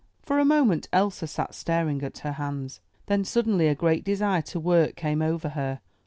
For a moment Elsa sat staring at her hands. Then suddenly a great desire to work came over her.